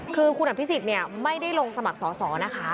คือคุณอภิษฎไม่ได้ลงสมัครสอสอนะคะ